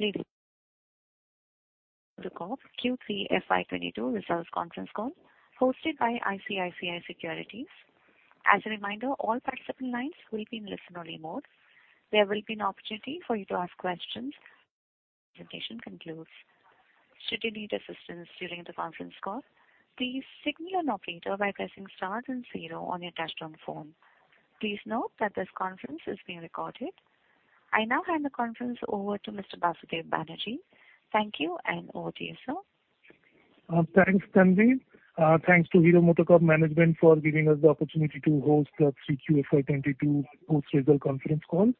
Q3 FY 2022 results conference call hosted by ICICI Securities. As a reminder, all participant lines will be in listen-only mode. There will be an opportunity for you to ask questions when the presentation concludes. Should you need assistance during the conference call, please signal your operator by pressing star then zero on your touch-tone phone. Please note that this conference is being recorded. I now hand the conference over to Mr. Basudeb Banerjee. Thank you, and over to you, sir. Thanks, Tanvi. Thanks to Hero MotoCorp management for giving us the opportunity to host the Q3 FY 2022 post-result conference call.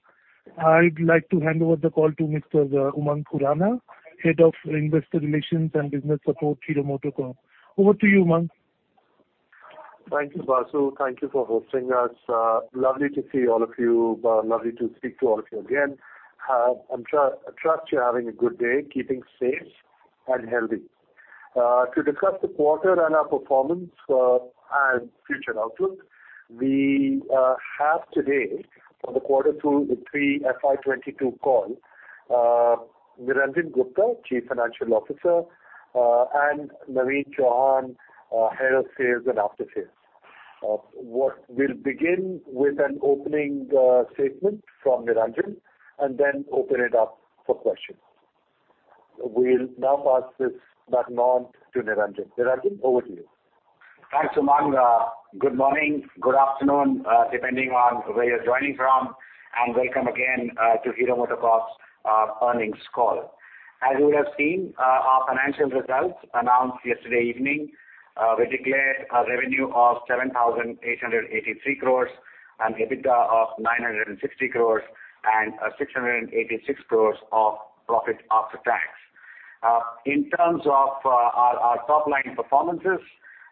I'd like to hand over the call to Mr. Umang Khurana, Head of Investor Relations and Business Support, Hero MotoCorp. Over to you, Umang. Thank you, Vasu. Thank you for hosting us. Lovely to see all of you. Lovely to speak to all of you again. I'm sure you're having a good day, keeping safe and healthy. To discuss the quarter and our performance, and future outlook, we have today for the Q3 FY 2022 call, Niranjan Gupta, Chief Financial Officer, and Naveen Chauhan, Head of Sales and Aftersales. We'll begin with an opening statement from Niranjan and then open it up for questions. We'll now pass this baton to Niranjan. Niranjan, over to you. Thanks, Umang. Good morning, good afternoon, depending on where you're joining from, and welcome again to Hero MotoCorp's earnings call. As you would have seen, our financial results announced yesterday evening, we declared a revenue of 7,883 crore and EBITDA of 960 crore and 686 crore of profit after tax. In terms of our top-line performances,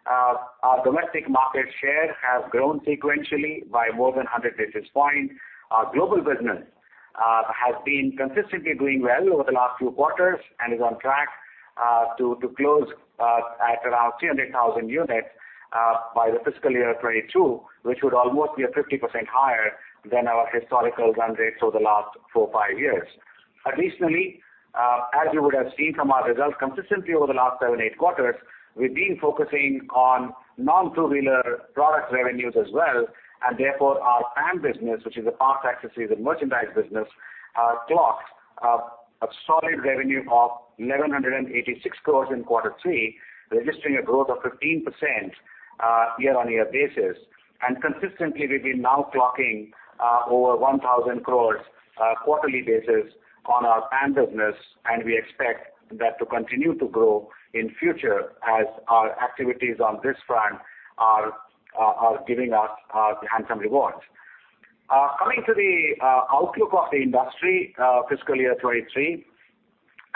our domestic market share has grown sequentially by more than 100 basis points. Our global business has been consistently doing well over the last few quarters and is on track to close at around 300,000 units by the fiscal year 2022, which would almost be 50% higher than our historical run rates over the last four, five years. Additionally, as you would have seen from our results consistently over the last seven to eight quarters, we've been focusing on non-two-wheeler product revenues as well. Therefore, our PAM business, which is the parts, accessories, and merchandise business, clocked a solid revenue of 1,186 crores in quarter three, registering a growth of 15% year-on-year basis. Consistently, we've been now clocking over 1,000 crores quarterly basis on our PAM business, and we expect that to continue to grow in future as our activities on this front are giving us handsome rewards. Coming to the outlook of the industry, fiscal year 2023.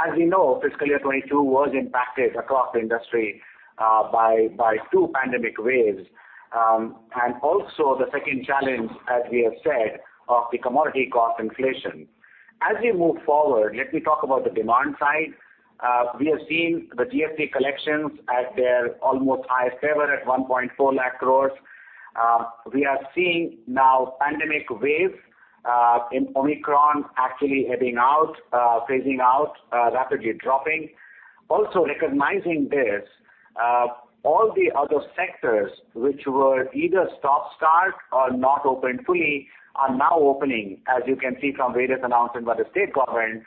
As we know, fiscal year 2022 was impacted across the industry by two pandemic waves. Also the second challenge, as we have said, of the commodity cost inflation. As we move forward, let me talk about the demand side. We have seen the GST collections at their almost highest ever at 1.4 lakh crore. We are seeing now pandemic wave in Omicron actually ebbing out, phasing out, rapidly dropping. Also recognizing this, all the other sectors which were either stop-start or not opened fully are now opening, as you can see from various announcements by the state government,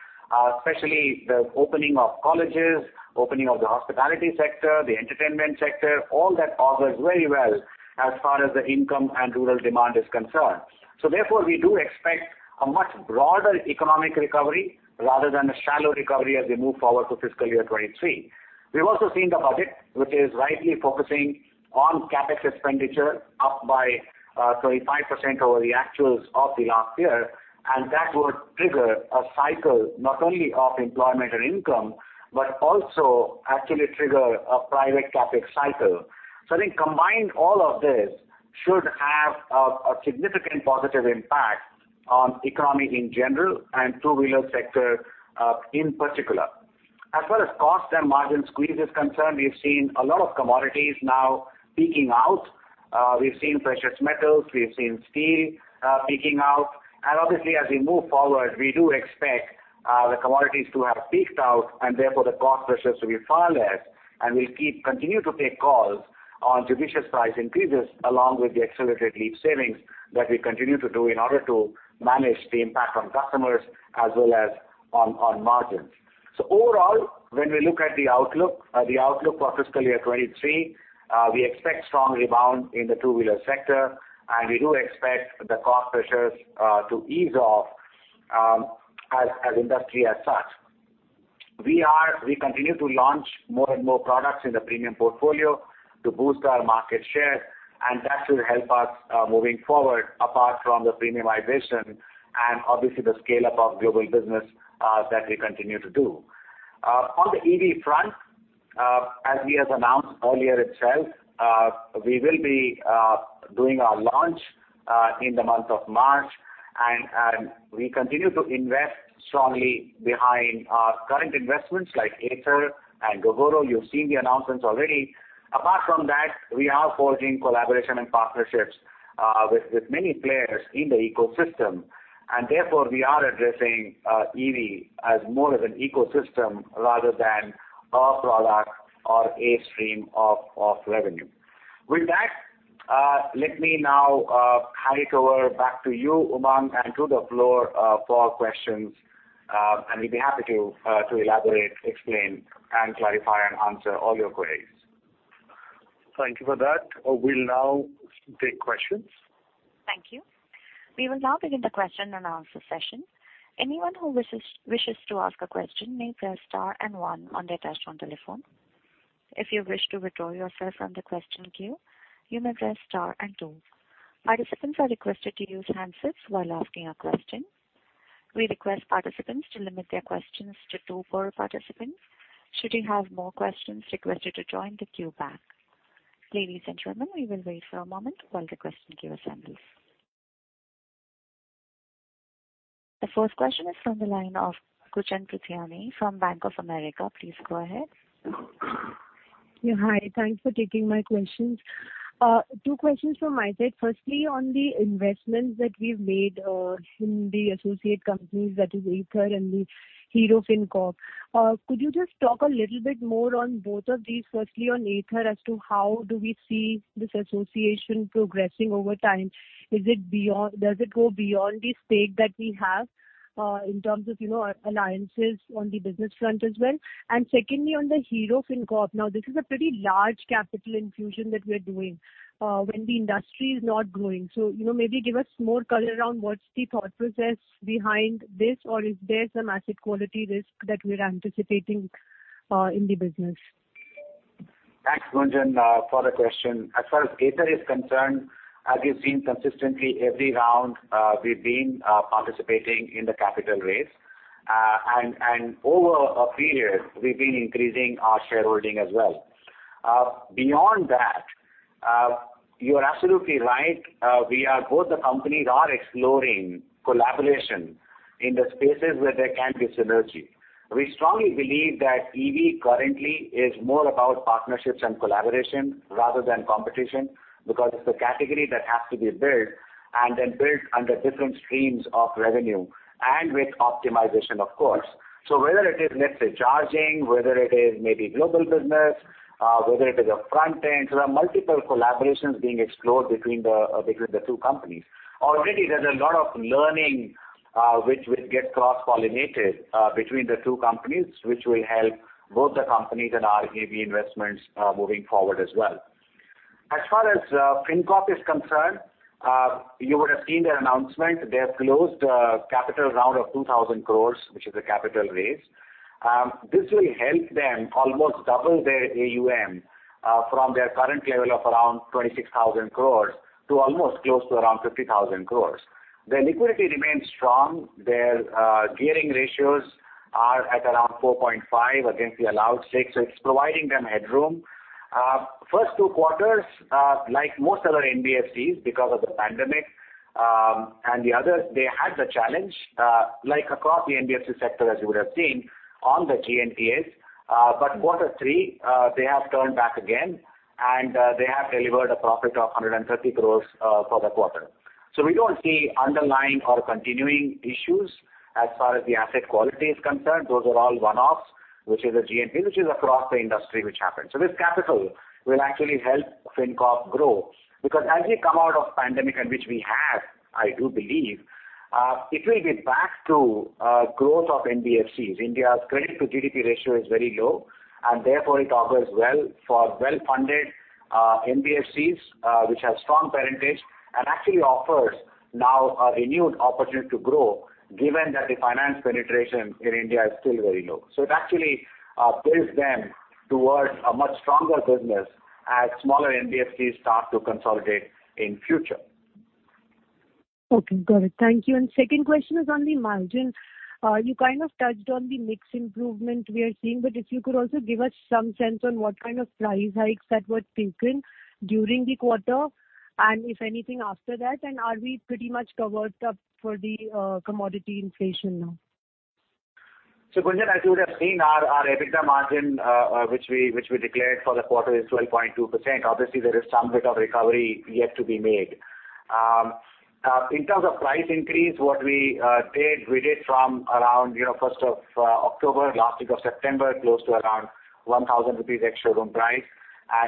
especially the opening of colleges, opening of the hospitality sector, the entertainment sector, all that augurs very well as far as the income and rural demand is concerned. We do expect a much broader economic recovery rather than a shallow recovery as we move forward to fiscal year 2023. We've also seen the budget, which is rightly focusing on CapEx expenditure up by 35% over the actuals of the last year. That would trigger a cycle not only of employment and income, but also actually trigger a private CapEx cycle. I think combined, all of this should have a significant positive impact on economy in general and two-wheeler sector in particular. As far as cost and margin squeeze is concerned, we've seen a lot of commodities now peaking out. We've seen precious metals, we've seen steel peaking out. Obviously, as we move forward, we do expect the commodities to have peaked out and therefore the cost pressures to be far less. We'll continue to take calls on judicious price increases along with the accelerated LEAP savings that we continue to do in order to manage the impact on customers as well as on margins. Overall, when we look at the outlook, the outlook for FY 2023, we expect strong rebound in the two-wheeler sector, and we do expect the cost pressures to ease off, as the industry as such. We continue to launch more and more products in the premium portfolio to boost our market share, and that will help us moving forward, apart from the premiumization and obviously the scale-up of global business that we continue to do. On the EV front, as we have announced earlier itself, we will be doing our launch in the month of March. We continue to invest strongly behind our current investments like Ather and Gogoro. You've seen the announcements already. Apart from that, we are forging collaboration and partnerships with many players in the ecosystem. Therefore, we are addressing EV as more of an ecosystem rather than a product or a stream of revenue. With that, let me now hand it over back to you, Umang, and to the floor for questions. We'd be happy to elaborate, explain, and clarify and answer all your queries. Thank you for that. We'll now take questions. Thank you. We will now begin the question and answer session. Anyone who wishes to ask a question may press star and one on their touchtone telephone. If you wish to withdraw yourself from the question queue, you may press star and two. Participants are requested to use handsets while asking a question. We request participants to limit their questions to two per participant. Should you have more questions, you are requested to join the queue back. Ladies and gentlemen, we will wait for a moment while the question queue assembles. The first question is from the line of Gunjan Prithyani from Bank of America. Please go ahead. Yeah. Hi. Thanks for taking my questions. Two questions from my side. Firstly, on the investments that we've made in the associate companies, that is Ather and the Hero FinCorp. Could you just talk a little bit more on both of these? Firstly, on Ather, as to how do we see this association progressing over time? Does it go beyond the stake that we have in terms of, you know, alliances on the business front as well? And secondly, on the Hero FinCorp. Now, this is a pretty large capital infusion that we're doing when the industry is not growing. So, you know, maybe give us more color around what's the thought process behind this, or is there some asset quality risk that we're anticipating in the business? Thanks, Gunjan, for the question. As far as Ather is concerned, as you've seen consistently every round, we've been participating in the capital raise. Over a period, we've been increasing our shareholding as well. Beyond that, you are absolutely right. Both the companies are exploring collaboration in the spaces where there can be synergy. We strongly believe that EV currently is more about partnerships and collaboration rather than competition, because it's a category that has to be built and then built under different streams of revenue and with optimization, of course. Whether it is, let's say, charging, whether it is maybe global business, whether it is a front end. There are multiple collaborations being explored between the two companies. Already, there's a lot of learning, which will get cross-pollinated between the two companies, which will help both the companies and our EV investments moving forward as well. As far as FinCorp is concerned, you would have seen the announcement. They have closed a capital round of 2,000 crores, which is a capital raise. This will help them almost double their AUM from their current level of around 26,000 crores to almost close to around 50,000 crores. Their liquidity remains strong. Their gearing ratios are at around 4.5 against the allowed six, so it's providing them headroom. First two quarters, like most other NBFCs because of the pandemic and the others, they had the challenge like across the NBFC sector, as you would have seen on the GNPA. Quarter three, they have turned back again, and they have delivered a profit of 130 crores for the quarter. We don't see underlying or continuing issues as far as the asset quality is concerned. Those are all one-offs, which is a GNPA, which is across the industry, which happened. This capital will actually help FinCorp grow because as we come out of pandemic and which we have, I do believe, it will be back to growth of NBFCs. India's credit to GDP ratio is very low, and therefore, it offers well for well-funded NBFCs, which have strong parentage and actually offers now a renewed opportunity to grow, given that the finance penetration in India is still very low. It actually builds them towards a much stronger business as smaller NBFCs start to consolidate in future. Okay. Got it. Thank you. Second question is on the margin. You kind of touched on the mix improvement we are seeing, but if you could also give us some sense on what kind of price hikes that were taken during the quarter and if anything after that, and are we pretty much covered up for the commodity inflation now? Gunjan, as you would have seen our EBITDA margin, which we declared for the quarter is 12.2%. Obviously, there is some bit of recovery yet to be made. In terms of price increase, what we did from around, you know, first of October, last week of September, close to around 1,000 rupees ex-showroom price.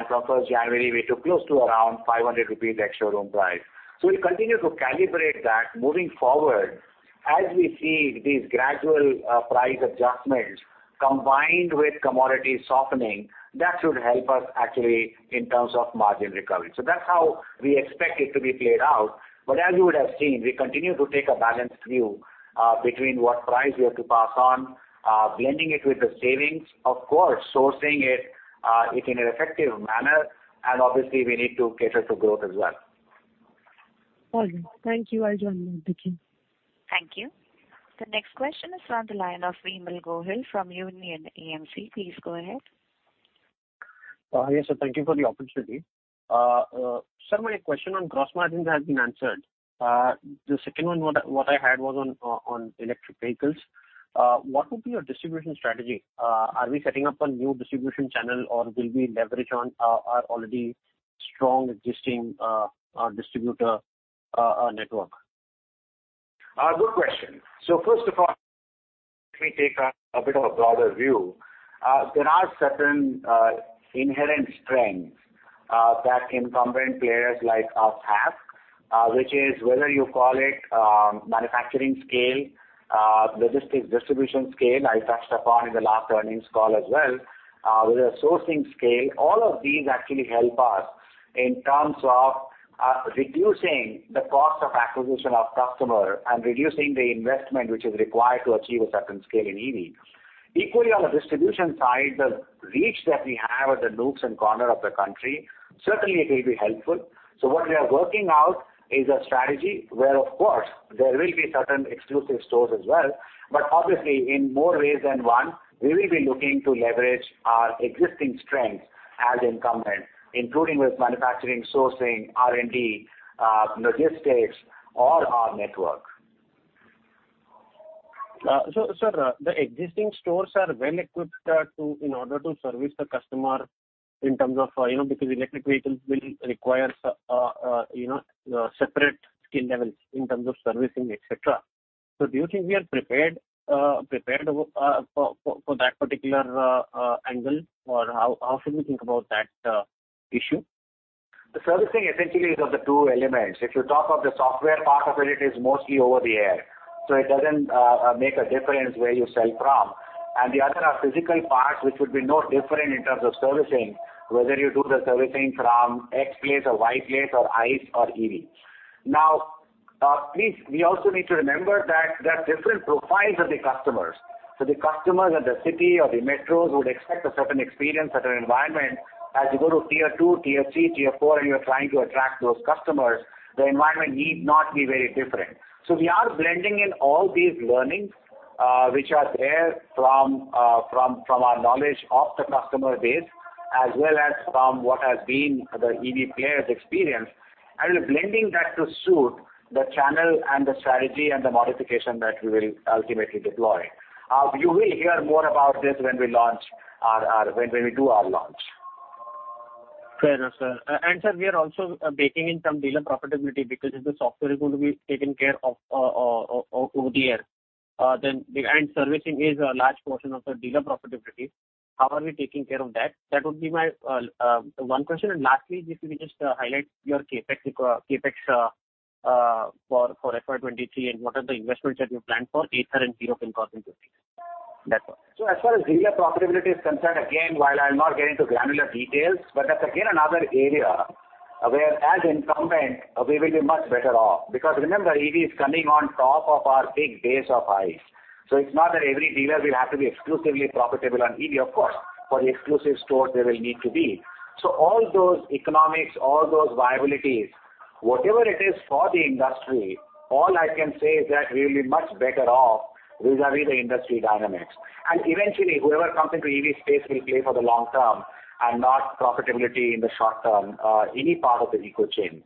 From first January, we took close to around 500 rupees ex-showroom price. We'll continue to calibrate that moving forward as we see these gradual price adjustments combined with commodity softening, that should help us actually in terms of margin recovery. That's how we expect it to be played out. As you would have seen, we continue to take a balanced view between what price we have to pass on, blending it with the savings, of course, sourcing it in an effective manner. Obviously, we need to cater to growth as well. All right. Thank you. I join you on the queue. Thank you. The next question is from the line of Vimal Gohil from Union AMC. Please go ahead. Yes, sir. Thank you for the opportunity. Sir, my question on gross margins has been answered. The second one what I had was on electric vehicles. What would be your distribution strategy? Are we setting up a new distribution channel, or will we leverage on our already strong existing distributor network. Good question. First of all, let me take a bit of a broader view. There are certain inherent strengths that incumbent players like us have, which is whether you call it, manufacturing scale, logistic distribution scale, I touched upon in the last earnings call as well, whether sourcing scale, all of these actually help us in terms of, reducing the cost of acquisition of customer and reducing the investment which is required to achieve a certain scale in EV. Equally, on the distribution side, the reach that we have at the nooks and corners of the country, certainly it will be helpful. What we are working out is a strategy where of course, there will be certain exclusive stores as well, but obviously in more ways than one, we will be looking to leverage our existing strengths as incumbent, including with manufacturing, sourcing, R&D, logistics or our network. Sir, the existing stores are well-equipped to in order to service the customer in terms of you know because electric vehicles will require separate skill levels in terms of servicing etc. Do you think we are prepared for that particular angle? Or how should we think about that issue? The servicing essentially is of the two elements. If you talk of the software part of it is mostly over the air, so it doesn't make a difference where you sell from. The other are physical parts which would be no different in terms of servicing, whether you do the servicing from X place or Y place or ICE or EV. Now, please, we also need to remember that there are different profiles of the customers. The customers at the city or the metros would expect a certain experience, certain environment. As you go to tier two, tier three, tier four, and you are trying to attract those customers, the environment need not be very different. We are blending in all these learnings, which are there from our knowledge of the customer base as well as from what has been the EV players' experience, and blending that to suit the channel and the strategy and the modification that we will ultimately deploy. You will hear more about this when we do our launch. Fair enough, sir. Sir, we are also baking in some dealer profitability because if the software is going to be taken care of over the air, then and servicing is a large portion of the dealer profitability. How are we taking care of that? That would be my one question. Lastly, if you could just highlight your CapEx for FY 2023, and what are the investments that you plan for Ather and Hero FinCorp? That's all. As far as dealer profitability is concerned, again, while I'll not get into granular details, but that's again another area where as incumbent we will be much better off. Because remember, EV is coming on top of our big base of ICE. It's not that every dealer will have to be exclusively profitable on EV. Of course, for the exclusive stores they will need to be. All those economics, all those viabilities, whatever it is for the industry, all I can say is that we'll be much better off vis-à-vis the industry dynamics. Eventually whoever comes into EV space will play for the long term and not profitability in the short term, any part of the eco chain.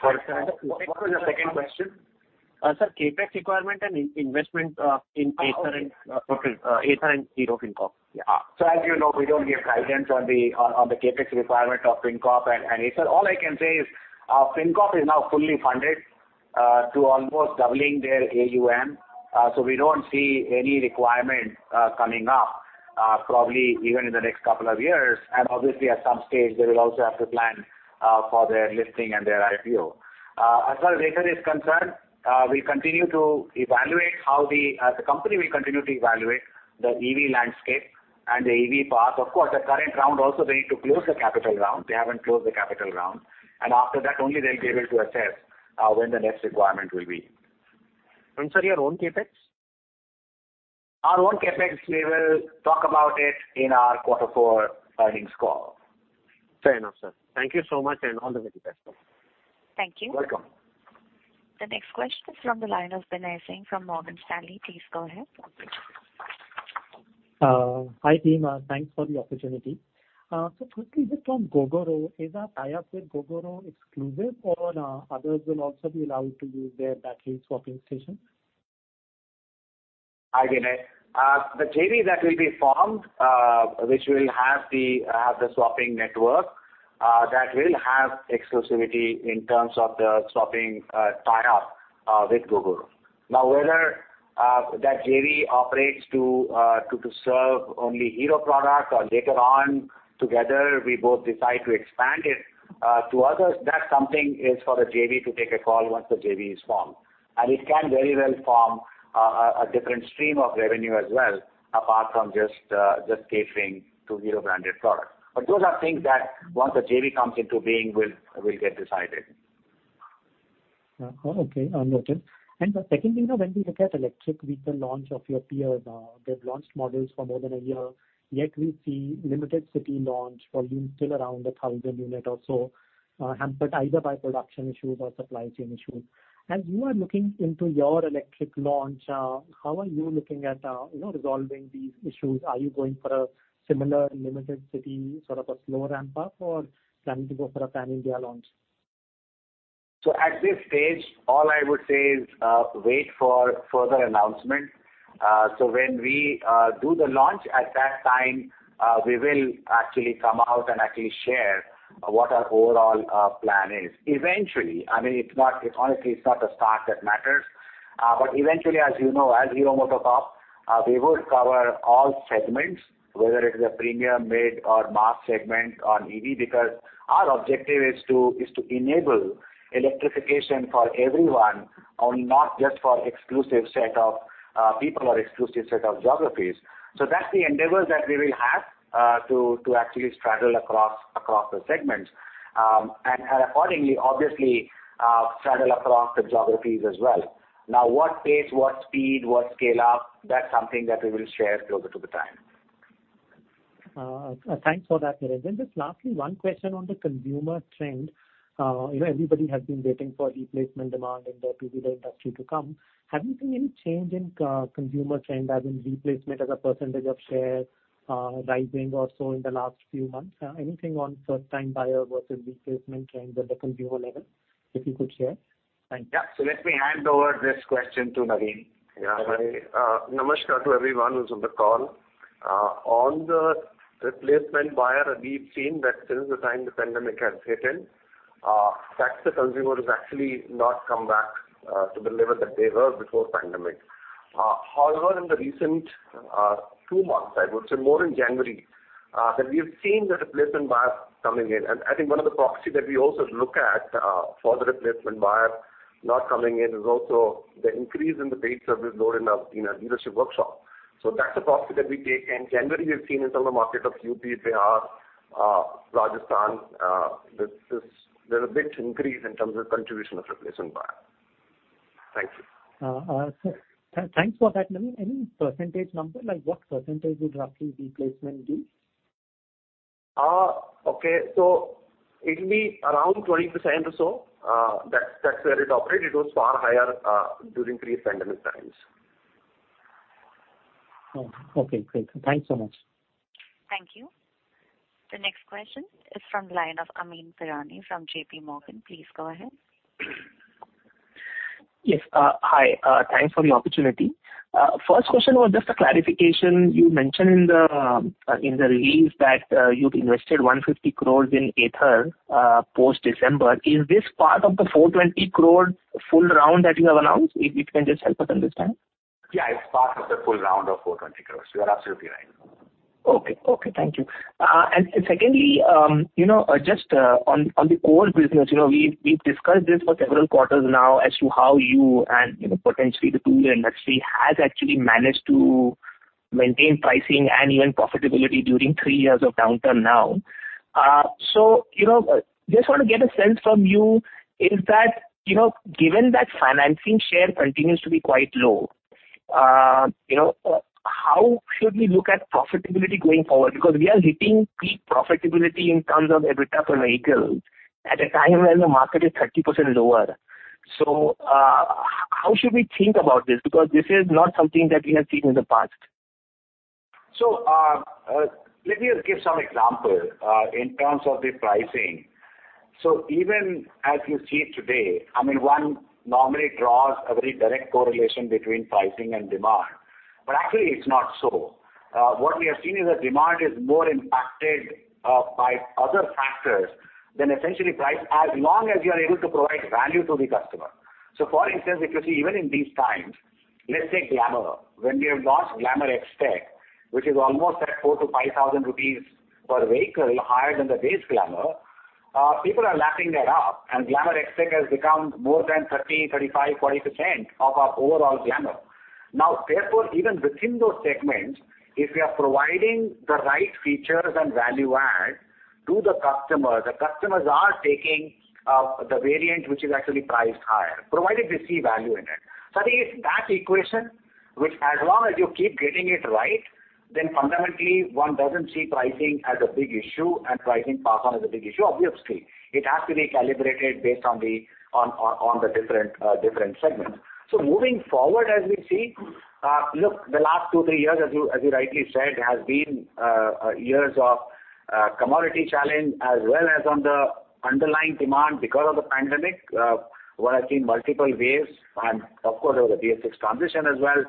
Got it, sir. What was your second question? Sir, CapEx requirement and investment in Ather and Oh. Ather and Hero FinCorp. Yeah. As you know, we don't give guidance on the CapEx requirement of FinCorp and Ather. All I can say is, FinCorp is now fully funded to almost doubling their AUM. We don't see any requirement coming up, probably even in the next couple of years. Obviously at some stage they will also have to plan for their listing and their IPO. As far as Ather is concerned, we continue to evaluate how the company will continue to evaluate the EV landscape and the EV path. Of course, the current round also they need to close the capital round. They haven't closed the capital round. After that only they'll be able to assess when the next requirement will be. Sir, your own CapEx? Our own CapEx, we will talk about it in our quarter four earnings call. Fair enough, sir. Thank you so much, and all the very best. Welcome. Thank you. The next question is from the line of Binay Singh from Morgan Stanley. Please go ahead. Hi, team. Thanks for the opportunity. Firstly, from Gogoro, is that tie-up with Gogoro exclusive or others will also be allowed to use their battery-swapping station? Hi, Binay. The JV that will be formed, which will have the swapping network, that will have exclusivity in terms of the swapping tie-up with Gogoro. Now, whether that JV operates to serve only Hero product or later on together we both decide to expand it to others, that's something for the JV to take a call once the JV is formed. It can very well form a different stream of revenue as well, apart from just catering to Hero branded product. Those are things that once the JV comes into being will get decided. Okay. I'll note it. The second thing, when we look at electric vehicle launch of your peers now, they've launched models for more than a year, yet we see limited city launch, volume still around 1,000 units or so, hampered either by production issues or supply chain issues. As you are looking into your electric launch, how are you looking at, you know, resolving these issues? Are you going for a similar limited city, sort of a slow ramp up, or planning to go for a pan-India launch? At this stage, all I would say is wait for further announcement. When we do the launch, at that time, we will actually come out and actually share what our overall plan is. Eventually, I mean, it's not the start that matters. Honestly, it's not the start that matters. Eventually, as you know, as Hero MotoCorp, we would cover all segments, whether it is a premium, mid or mass segment on EV. Because our objective is to enable electrification for everyone and not just for exclusive set of people or exclusive set of geographies. That's the endeavors that we will have to actually straddle across the segments. And accordingly, obviously, straddle across the geographies as well. Now, what pace, what speed, what scale up? That's something that we will share closer to the time. Thanks for that, Niranjan. Just lastly, one question on the consumer trend. You know, everybody has been waiting for replacement demand in the two-wheeler industry to come. Have you seen any change in consumer trend as in replacement as a percentage of share, rising also in the last few months? Anything on first time buyer versus replacement trend at the consumer level, if you could share? Thank you. Yeah. Let me hand over this question to Naveen. Yeah. Namaskar to everyone who's on the call. On the replacement buyer, we've seen that since the time the pandemic has hit in, that the consumer has actually not come back to the level that they were before pandemic. However, in the recent two months, I would say more in January, that we have seen the replacement buyers coming in. I think one of the proxy that we also look at for the replacement buyer not coming in is also the increase in the paid service load in our dealership workshop. That's a proxy that we take. In January, we've seen in some of the markets of UP, Haryana, Rajasthan, that there's a bit increase in terms of contribution of replacement buyer. Thank you. Thanks for that, Naveen. Any percentage number? Like, what percentage would roughly replacement be? It'll be around 20% or so. That's where it operated. It was far higher during pre-pandemic times. Oh, okay. Great. Thanks so much. Thank you. The next question is from the line of Amyn Pirani from JPMorgan. Please go ahead. Yes. Hi. Thanks for the opportunity. First question was just a clarification. You mentioned in the release that you've invested 150 crore in Ather post-December. Is this part of the 420 crore full round that you have announced? If you can just help us understand. Yeah, it's part of the funding round of 420 crore. You are absolutely right. Okay, thank you. Secondly, you know, just on the core business, you know, we've discussed this for several quarters now as to how you and, you know, potentially the two-wheeler industry has actually managed to maintain pricing and even profitability during three years of downturn now. You know, just want to get a sense from you, is that, you know, given that financing share continues to be quite low, you know, how should we look at profitability going forward? Because we are hitting peak profitability in terms of EBITDA per vehicle at a time when the market is 30% lower. How should we think about this? Because this is not something that we have seen in the past. Let me just give some example in terms of the pricing. Even as you see it today, I mean, one normally draws a very direct correlation between pricing and demand, but actually it's not so. What we have seen is that demand is more impacted by other factors than essentially price, as long as you are able to provide value to the customer. For instance, if you see even in these times, let's take Glamour. When we have launched Glamour XTEC, which is almost at 4,000- 5,000 rupees per vehicle higher than the base Glamour, people are lapping that up, and Glamour XTEC has become more than 35%-40% of our overall Glamour. Now, therefore, even within those segments, if we are providing the right features and value add to the customer, the customers are taking the variant which is actually priced higher, provided they see value in it. I think it's that equation, which as long as you keep getting it right, then fundamentally one doesn't see pricing as a big issue and pricing pass on as a big issue. Obviously, it has to be calibrated based on the different segments. Moving forward, as we see, look, the last two, three years, as you rightly said, has been years of commodity challenge as well as on the underlying demand because of the pandemic. One has seen multiple waves and of course there was a BS6 transition as well.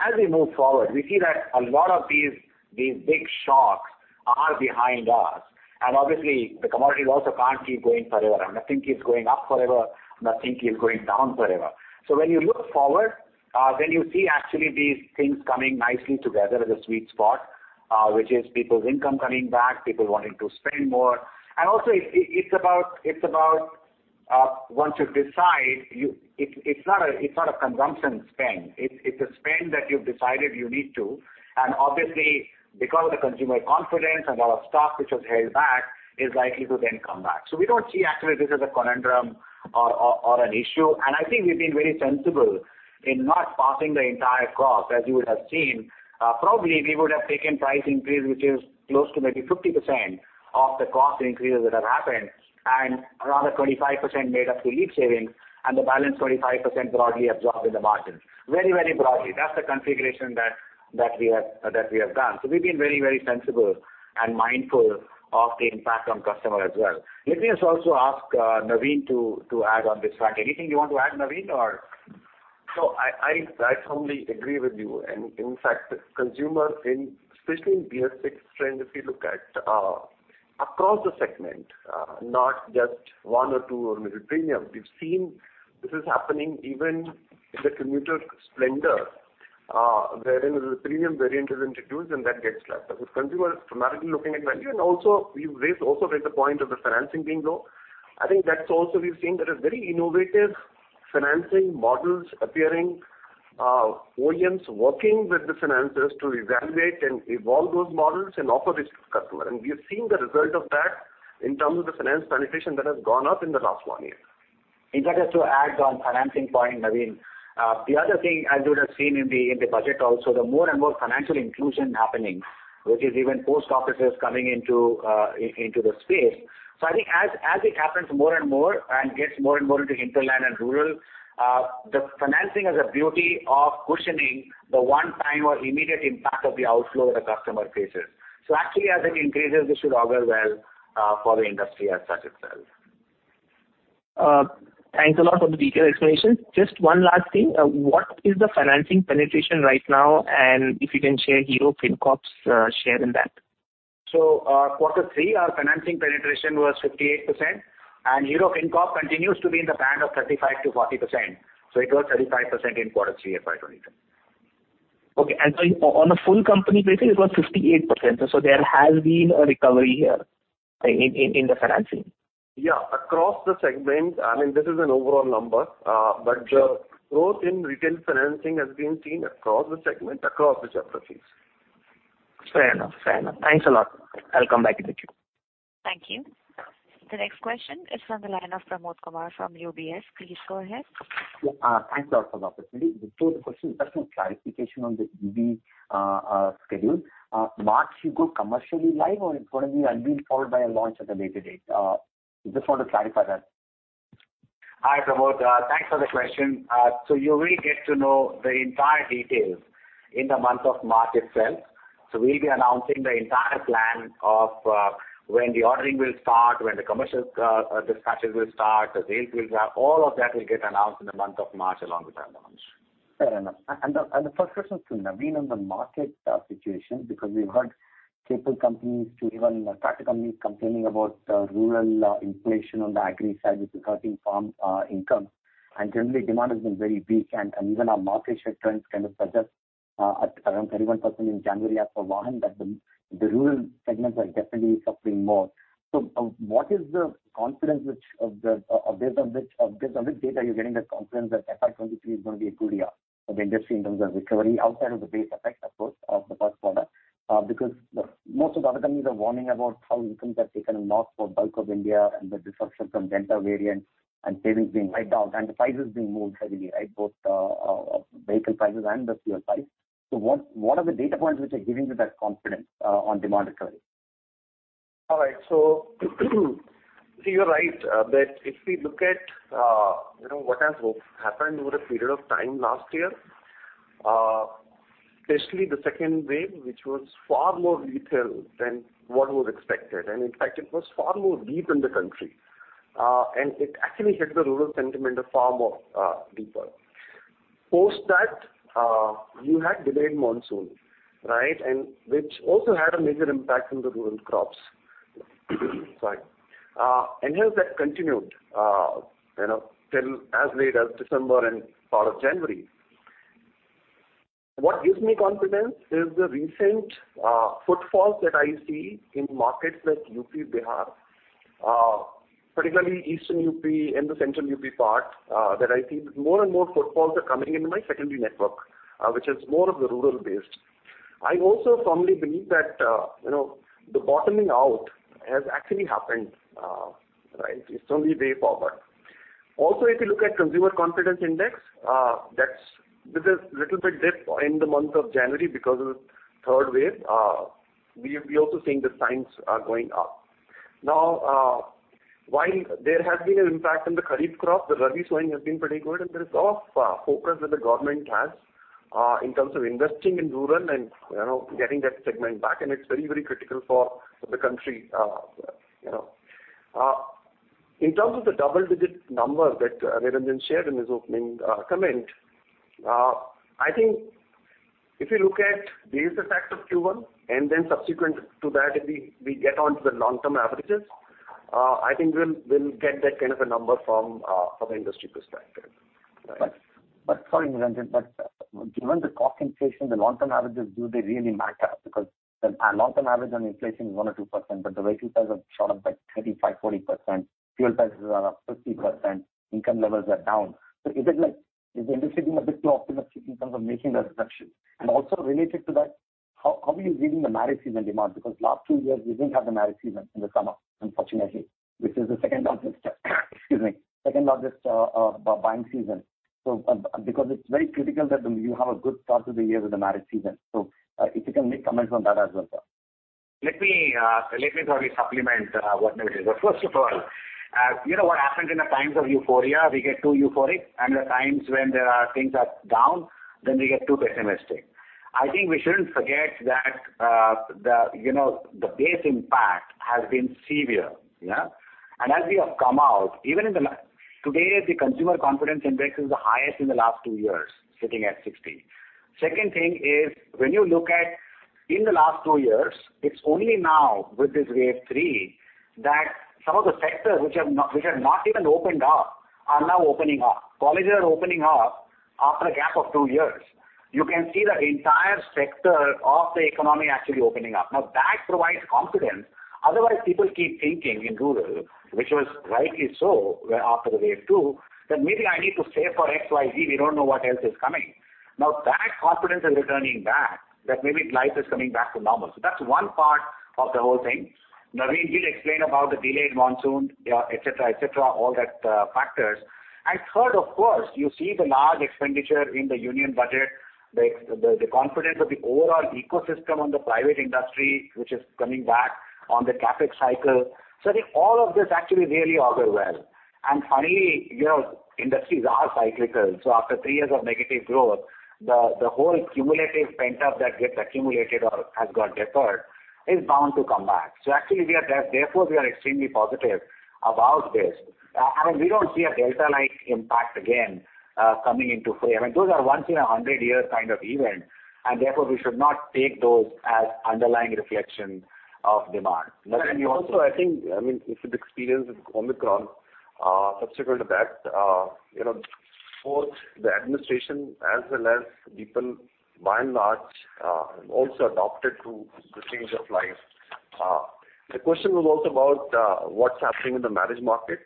As we move forward, we see that a lot of these big shocks are behind us. Obviously the commodities also can't keep going forever, and nothing keeps going up forever. Nothing keeps going down forever. When you look forward, then you see actually these things coming nicely together as a sweet spot, which is people's income coming back, people wanting to spend more. Also it's about once you decide it's not a consumption spend. It's a spend that you've decided you need to. Obviously because of the consumer confidence and a lot of stock which was held back is likely to then come back. We don't see actually this as a conundrum or an issue. I think we've been very sensible in not passing the entire cost. As you would have seen, probably we would have taken price increase, which is close to maybe 50% of the cost increases that have happened, and around a 25% made up through LEAP savings and the balance 25% broadly absorbed in the margin. Very, very broadly. That's the configuration that we have done. We've been very, very sensible and mindful of the impact on customer as well. Let me just also ask Naveen to add on this front. Anything you want to add, Naveen, or? I firmly agree with you. In fact, the consumer especially in BS6 trend, if you look at across the segment, not just one or two or maybe premium. We've seen this is happening even in the commuter Splendor, wherein the premium variant is introduced and that gets snapped up as with consumers dramatically looking at value and we also raise the point of the financing being low. I think that's also we've seen there is very innovative financing models appearing, OEMs working with the financiers to evaluate and evolve those models and offer this to customer. We have seen the result of that in terms of the finance penetration that has gone up in the last one year. In fact, just to add on financing point, Naveen, the other thing as you would have seen in the budget also, the more and more financial inclusion happening, which is even post offices coming into the space. I think as it happens more and more and gets more and more into hinterland and rural, the financing has a beauty of cushioning the one time or immediate impact of the outflow the customer faces. Actually as it increases, this should augur well for the industry as such itself. Thanks a lot for the detailed explanation. Just one last thing. What is the financing penetration right now? If you can share Hero FinCorp's share in that. Quarter three, our financing penetration was 58%, and Hero FinCorp continues to be in the band of 35%-40%. It was 35% in quarter three of FY 2022. On a full company basis, it was 58%. There has been a recovery here in the financing. Yeah. Across the segment, I mean, this is an overall number. Growth in retail financing has been seen across the segment, across the geographies. Fair enough. Thanks a lot. I'll come back if required. Thank you. The next question is from the line of Pramod Kumar from UBS. Please go ahead. Yeah. Thanks a lot for the opportunity. Before the question, just a clarification on the EV schedule. March you go commercially live or it's gonna be unveiled followed by a launch at a later date? Just want to clarify that. Hi, Pramod. Thanks for the question. You will get to know the entire details in the month of March itself. We'll be announcing the entire plan of, when the ordering will start, when the commercial dispatches will start, the sales will have. All of that will get announced in the month of March along with the launch. Fair enough. The first question to Naveen on the market situation, because we've heard capable companies to even tractor companies complaining about rural inflation on the agri side, which is hurting farm income. Generally demand has been very weak and even our market share trends kind of suggest at around 31% in January as per one that the rural segments are definitely suffering more. What is the confidence from which data you're getting that confidence that FY 2022 is gonna be a good year for the industry in terms of recovery outside of the base effect, of course, of the first quarter? Because the most of the other companies are warning about how incomes have taken a knock for bulk of India and the disruption from Delta variant and savings being wiped out and the prices being moved heavily, right? Both vehicle prices and the fuel price. What are the data points which are giving you that confidence on demand recovery? All right. See, you're right, that if we look at, you know, what has happened over a period of time last year, especially the second wave, which was far more lethal than what was expected, and in fact it was far more deep in the country. It actually hit the rural sentiment far more deeper. Post that, you had delayed monsoon, right? Which also had a major impact on the rural crops. Sorry. Hence that continued, you know, till as late as December and part of January. What gives me confidence is the recent footfalls that I see in markets like UP, Bihar. Particularly Eastern UP and the Central UP part, that I see more and more footfalls are coming into my secondary network, which is more of the rural based. I also firmly believe that, you know, the bottoming out has actually happened, right? It's only way forward. Also, if you look at consumer confidence index, that's with a little bit dip in the month of January because of third wave. We also seeing the signs are going up. Now, while there has been an impact on the kharif crop, the rabi sowing has been pretty good, and there is a lot of focus that the government has in terms of investing in rural and, you know, getting that segment back, and it's very, very critical for the country, you know. In terms of the double-digit number that Niranjan shared in his opening comment, I think if you look at the base effect of Q1 and then subsequent to that if we get on to the long-term averages, I think we'll get that kind of a number from an industry perspective. Right. Sorry, Niranjan. Given the cost inflation, the long-term averages, do they really matter? Because the long-term average on inflation is 1% or 2%, but the vehicle prices have shot up by 35%-40%. Fuel prices are up 50%. Income levels are down. Is it like, is the industry being a bit too optimistic in terms of making that assumption? Also related to that, how are you reading the marriage season demand? Because last two years we didn't have the marriage season in the summer, unfortunately, which is the second largest buying season. If you can make comments on that as well, sir. Let me probably supplement what Naveen said. First of all, you know what happens in the times of euphoria, we get too euphoric, and the times when there are things are down, then we get too pessimistic. I think we shouldn't forget that, you know, the base impact has been severe, yeah. As we have come out, even today, the consumer confidence index is the highest in the last two years, sitting at 60. Second thing is, when you look at in the last two years, it's only now with this wave three that some of the sectors which have not even opened up are now opening up. Colleges are opening up after a gap of two years. You can see the entire sector of the economy actually opening up. Now, that provides confidence. Otherwise, people keep thinking in rural, which was rightly so where after the wave two, that maybe I need to save for XYZ, we don't know what else is coming. Now, that confidence is returning back, that maybe life is coming back to normal. That's one part of the whole thing. Naveen will explain about the delayed monsoon, et cetera, et cetera, all that factors. Third, of course, you see the large expenditure in the union budget, the confidence of the overall ecosystem on the private industry, which is coming back on the CapEx cycle. I think all of this actually really augur well. Finally, you know, industries are cyclical, so after three years of negative growth, the whole cumulative pent-up that gets accumulated or has got deferred is bound to come back. Actually, we are therefore extremely positive about this. I mean, we don't see a Delta-like impact again, coming into play. I mean, those are once in a 100-year kind of event, and therefore, we should not take those as underlying reflection of demand. Naveen, you want to- I think, I mean, with the experience with Omicron, subsequent to that, you know, both the administration as well as people, by and large, also adapted to this change of life. The question was also about what's happening in the marriage market.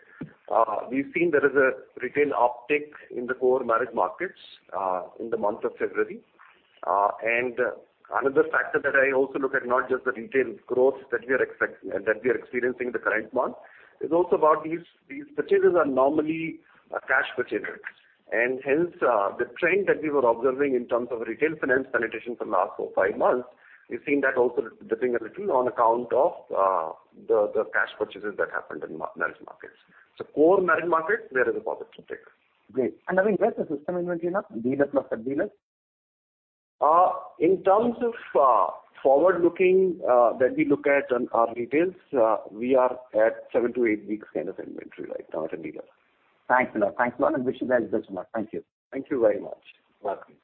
We've seen there is a retail uptick in the core marriage markets in the month of February. Another factor that I also look at, not just the retail growth that we are experiencing in the current month, is also about these purchases are normally cash purchases. Hence, the trend that we were observing in terms of retail finance penetration for the last four, five months, we've seen that also dipping a little on account of the cash purchases that happened in marriage markets. Core rural markets, there is a positive trend. Great. Naveen, where's the system inventory now, dealer plus sub-dealer? In terms of forward-looking that we look at on our retail, we are at seven to eight weeks kind of inventory right now at the dealer. Thanks a lot. Thanks a lot, and wish you guys the best. Thank you. Thank you very much. Welcome.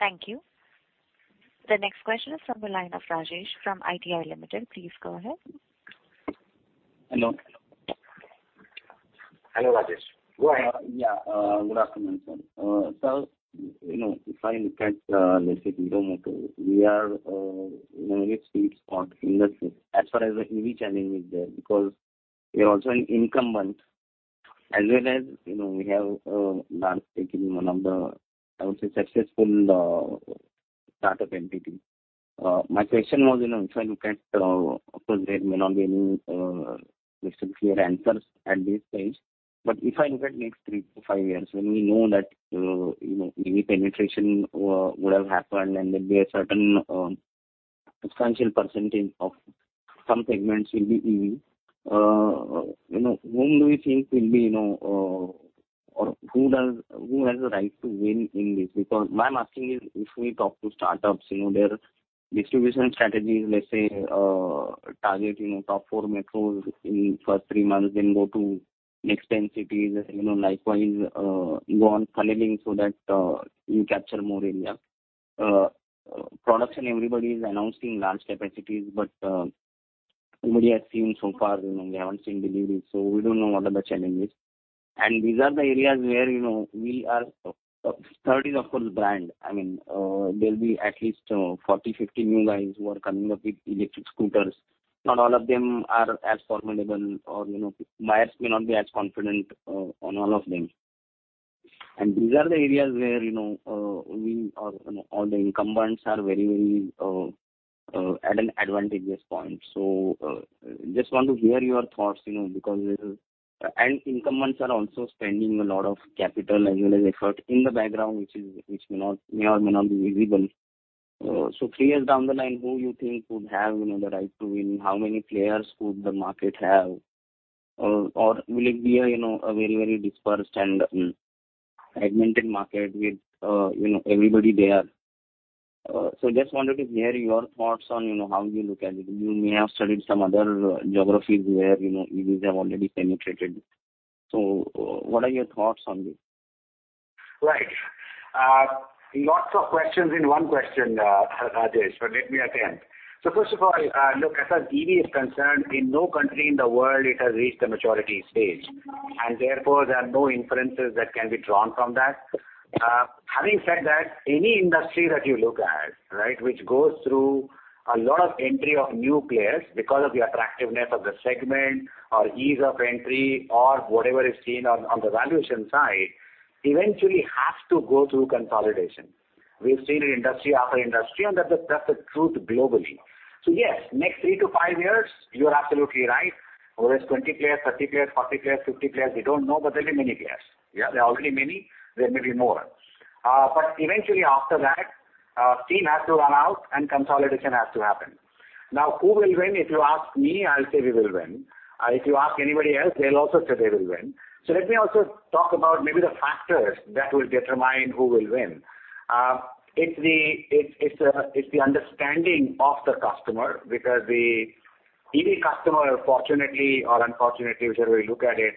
Thank you. The next question is from the line of Rajesh from IIFL Limited. Please go ahead. Hello. Hello, Rajesh. Go ahead. Yeah. Good afternoon, sir. So, you know, if I look at, let's say, Hero MotoCorp, we are, you know, in a sweet spot industry as far as the EV challenge is there because we are also an incumbent as well as, you know, we have large stake in one of the, I would say, successful startup entity. My question was, you know, if I look at, of course, there may not be any, let's say, clear answers at this stage. If I look at next three to five years, when we know that, you know, EV penetration would have happened and there'll be a certain substantial percentage of some segments will be EV. You know, whom do you think will be, you know, or who has the right to win in this? Because why I'm asking is if we talk to startups, you know, their distribution strategies, let's say, target, you know, top four metros in first three months, then go to next 10 cities, you know, likewise, go on scaling so that you capture more area. Production, everybody is announcing large capacities, but nobody has seen so far, you know, they haven't seen deliveries, so we don't know what are the challenges. These are the areas where, you know, we are, third is, of course, brand. I mean, there'll be at least 40, 50 new guys who are coming up with electric scooters. Not all of them are as formidable or, you know, buyers may not be as confident on all of them. These are the areas where, you know, we are, you know, all the incumbents are very at an advantageous point. Just want to hear your thoughts, you know, because incumbents are also spending a lot of capital as well as effort in the background, which may or may not be visible. Three years down the line, who you think would have, you know, the right to win? How many players could the market have? Or will it be a, you know, a very dispersed and fragmented market with, you know, everybody there? Just wanted to hear your thoughts on, you know, how you look at it. You may have studied some other geographies where, you know, EVs have already penetrated. What are your thoughts on this? Right. Lots of questions in one question, Rajesh, but let me attempt. First of all, look, as far as EV is concerned, in no country in the world it has reached the maturity stage, and therefore, there are no inferences that can be drawn from that. Having said that, any industry that you look at, right, which goes through a lot of entry of new players because of the attractiveness of the segment or ease of entry or whatever is seen on the valuation side, eventually has to go through consolidation. We've seen it industry after industry, and that's the truth globally. Yes, next three to five years, you are absolutely right. Whether it's 20 players, 30 players, 40 players, 50 players, we don't know, but there'll be many players. Yeah, there are already many. There may be more. Eventually after that, steam has to run out and consolidation has to happen. Now, who will win? If you ask me, I'll say we will win. If you ask anybody else, they'll also say they will win. Let me also talk about maybe the factors that will determine who will win. It's the understanding of the customer because the EV customer, fortunately or unfortunately, whichever way you look at it,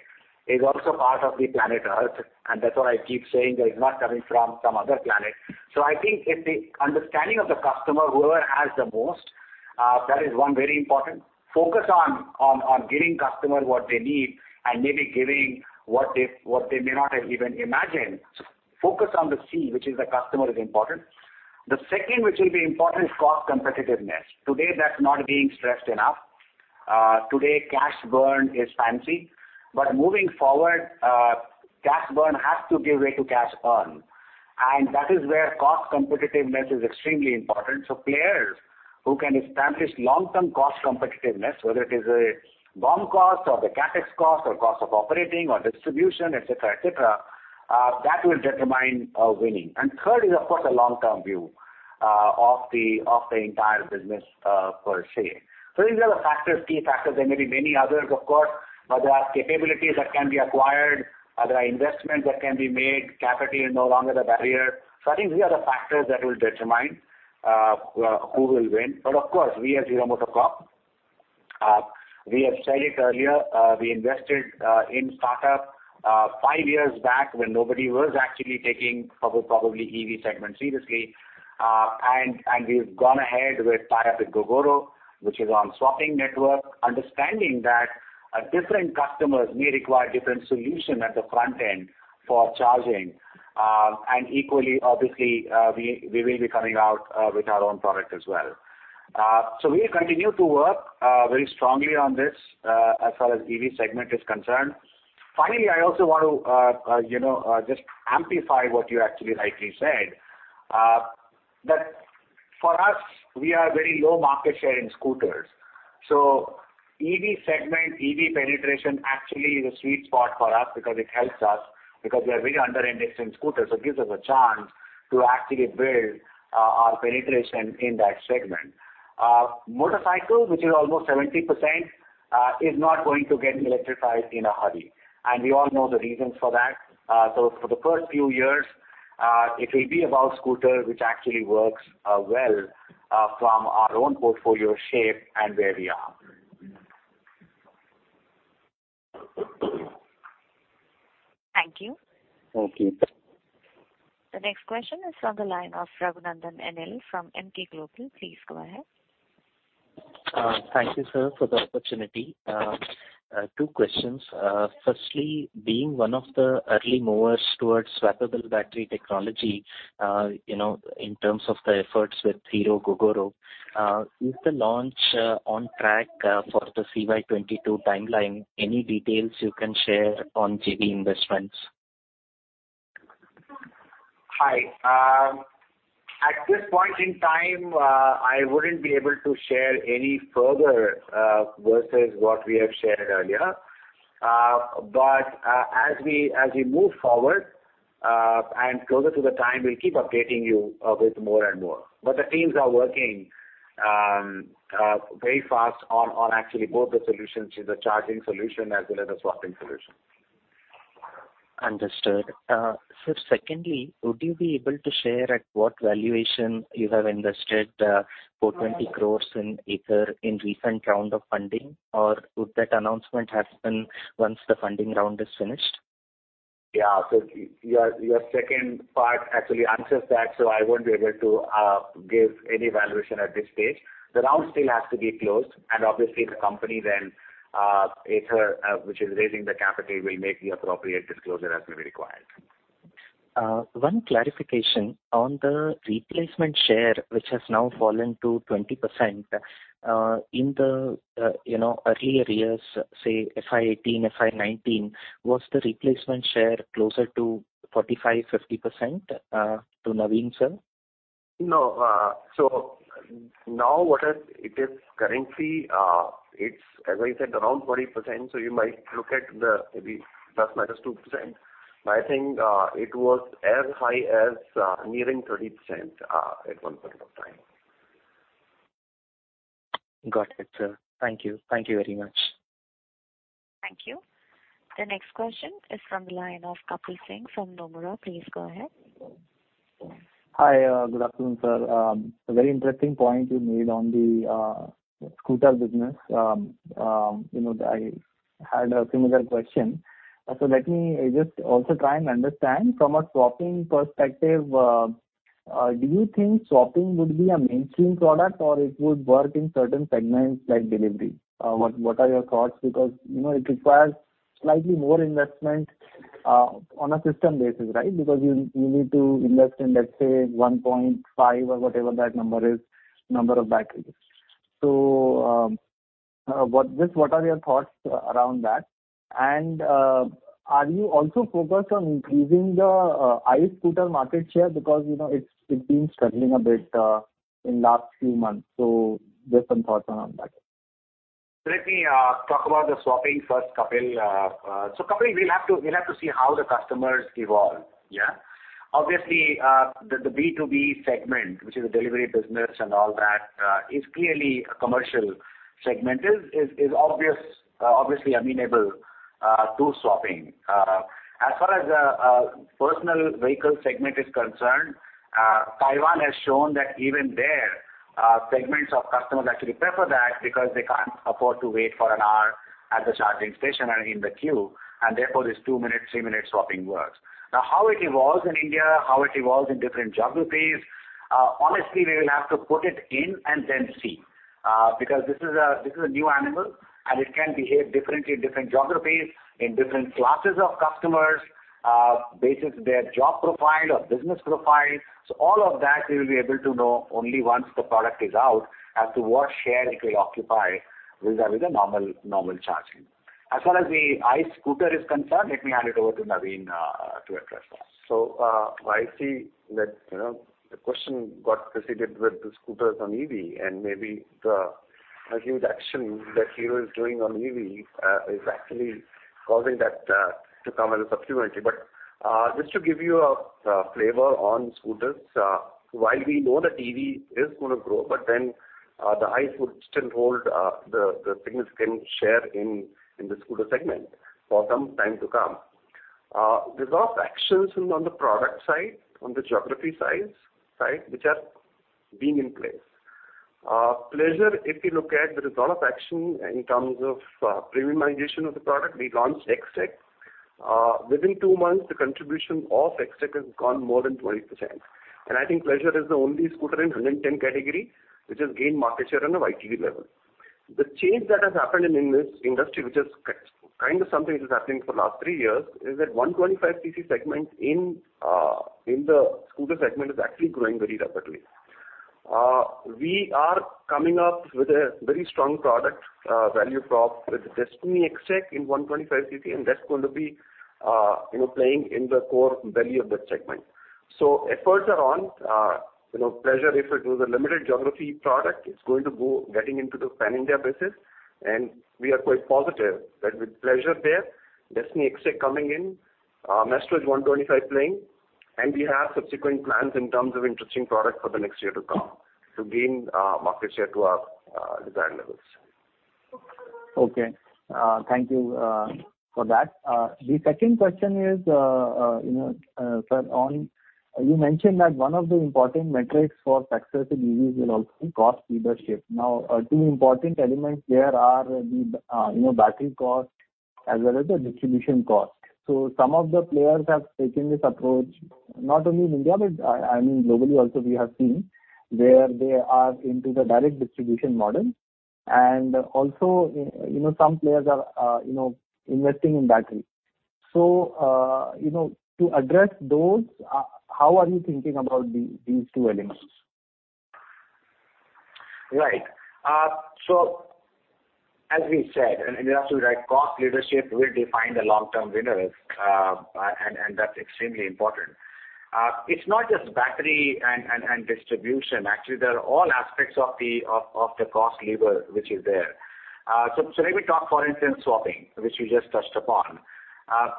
is also part of the planet Earth, and that's what I keep saying, that it's not coming from some other planet. I think it's the understanding of the customer, whoever has the most, that is one very important. Focus on giving customer what they need and maybe giving what they may not have even imagined. Focus on the C, which is the customer, is important. The second which will be important is cost competitiveness. Today, that's not being stressed enough. Today cash burn is fancy. Moving forward, cash burn has to give way to cash earn, and that is where cost competitiveness is extremely important. Players who can establish long-term cost competitiveness, whether it is a BOM cost or the CapEx cost or cost of operating or distribution, et cetera, et cetera, that will determine winning. Third is, of course, the long-term view of the entire business per se. These are the factors, key factors. There may be many others of course, but there are capabilities that can be acquired. There are investments that can be made. Capital is no longer the barrier. I think these are the factors that will determine who will win. Of course, we, as Hero MotoCorp, we have said it earlier, we invested in startup five years back when nobody was actually taking probably EV segment seriously. We've gone ahead with tie-up with Gogoro, which is on swapping network, understanding that different customers may require different solution at the front end for charging. Equally, obviously, we will be coming out with our own product as well. We'll continue to work very strongly on this as far as EV segment is concerned. Finally, I also want to you know just amplify what you actually rightly said. That for us, we are very low market share in scooters. EV segment, EV penetration actually is a sweet spot for us because it helps us because we are very under-indexed in scooters. It gives us a chance to actually build our penetration in that segment. Motorcycle, which is almost 70%, is not going to get electrified in a hurry, and we all know the reasons for that. For the first few years, it will be about scooter, which actually works well from our own portfolio shape and where we are. Thank you. Thank you. The next question is from the line of Raghunandhan NL from Emkay Global. Please go ahead. Thank you, sir, for the opportunity. Two questions. Firstly, being one of the early movers towards swappable battery technology, you know, in terms of the efforts with Hero Gogoro, is the launch on track for the CY 2022 timeline? Any details you can share on JV investments? Hi. At this point in time, I wouldn't be able to share any further versus what we have shared earlier. As we move forward and closer to the time, we'll keep updating you with more and more. The teams are working very fast on actually both the solutions, which is the charging solution as well as the swapping solution. Understood. Sir, secondly, would you be able to share at what valuation you have invested 420 crore in Ather in recent round of funding, or would that announcement happen once the funding round is finished? Yeah. Your second part actually answers that, so I won't be able to give any valuation at this stage. The round still has to be closed and obviously the company then, Ather, which is raising the capital, will make the appropriate disclosure as may be required. One clarification. On the replacement share, which has now fallen to 20%, in the, you know, earlier years, say FY 2018, FY 2019, was the replacement share closer to 45%-50%? To Naveen, sir. No. Now it is currently, as I said, around 40%, so you might look at maybe ±2%. I think it was as high as nearing 30% at one point of time. Got it, sir. Thank you. Thank you very much. Thank you. The next question is from the line of Kapil Singh from Nomura. Please go ahead. Hi. Good afternoon, sir. A very interesting point you made on the scooter business. You know, I had a similar question. Let me just also try and understand. From a swapping perspective, do you think swapping would be a mainstream product or it would work in certain segments like delivery? What are your thoughts? Because, you know, it requires slightly more investment on a system basis, right? Because you need to invest in, let's say 1.5 or whatever that number is, number of batteries. What are your thoughts around that? Are you also focused on increasing the scooter market share? Because, you know, it's been struggling a bit in last few months. Just some thoughts around that. Let me talk about the swapping first, Kapil. Kapil, we'll have to see how the customers evolve. Yeah. Obviously, the B2B segment, which is the delivery business and all that, is clearly a commercial segment, is obviously amenable to swapping. As far as the personal vehicle segment is concerned, Taiwan has shown that even there, segments of customers actually prefer that because they can't afford to wait for an hour at the charging station and in the queue, and therefore this two minute, three minute swapping works. Now, how it evolves in India, how it evolves in different geographies, honestly, we will have to put it in and then see. Because this is a new animal, and it can behave differently in different geographies, in different classes of customers, based on their job profile or business profile. All of that we will be able to know only once the product is out as to what share it will occupy vis-a-vis the normal charging. As far as the ICE scooter is concerned, let me hand it over to Naveen to address that. I see that, you know, the question got preceded with the scooters and EV, and maybe a huge action that he was doing on EV is actually causing that to come subsequently. Just to give you a flavor on scooters, while we know the EV is gonna grow, but then the ICE would still hold the significant share in the scooter segment for some time to come. There's a lot of actions going on the product side, on the geographies, right, which are being put in place. Pleasure, if you look at, there is a lot of action in terms of premiumization of the product. We launched XTEC. Within two months, the contribution of XTEC has gone more than 20%. I think Pleasure is the only scooter in 110 category which has gained market share on a YTV level. The change that has happened in this industry, which is kind of something which has happened for the last three years, is that 125 cc segment in the scooter segment is actually growing very rapidly. We are coming up with a very strong product value prop with Destini 125 XTEC in 125 cc, and that's going to be, you know, playing in the core value of that segment. So efforts are on. You know, Pleasure, if it was a limited geography product, it's going to go getting into the pan-India basis. We are quite positive that with Pleasure there, Destini 125 XTEC coming in, Maestro Edge 125 playing, and we have subsequent plans in terms of interesting product for the next year to come to gain market share to our desired levels. Okay. Thank you for that. The second question is, you know, sir, you mentioned that one of the important metrics for success in EVs will also be cost leadership. Now, two important elements there are the, you know, battery cost as well as the distribution cost. Some of the players have taken this approach not only in India, but I mean, globally also we have seen where they are into the direct distribution model. Also, you know, some players are, you know, investing in battery. To address those, how are you thinking about these two elements? Right. As we said, and you're absolutely right, cost leadership will define the long-term winners, and that's extremely important. It's not just battery and distribution. Actually, there are all aspects of the cost lever which is there. Let me talk, for instance, swapping, which you just touched upon.